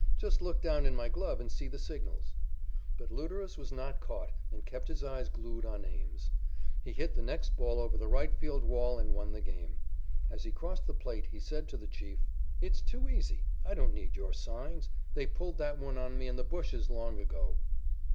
"Just look down in my glove and see the signals." But Luderus was not caught and kept his eyes glued on Ames. He hit the next ball over the right field wall and won the game. As he crossed the plate, he said to the "Chief": "It's too easy. I don't need your signs. They pulled that one on me in the bushes long ago."